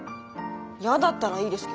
やだったらいいですけど。